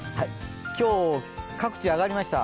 今日各地上がりました。